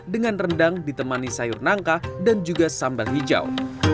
dengan rendang ditemani sayur nangka dan juga sambal hijau